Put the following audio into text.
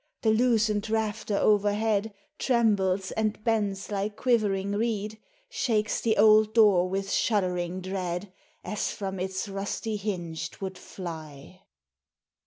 The loosened rafter overhead Trembles and bends like quivering reed ; Shakes the old door with shuddering dread, As from its rusty hinge 't would fly